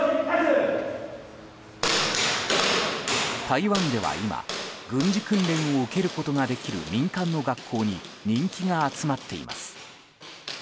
台湾では今軍事訓練を受けることができる民間の学校に人気が集まっています。